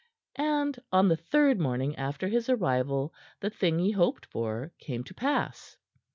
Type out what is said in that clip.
And on the third morning after his arrival the thing he hoped for came to pass.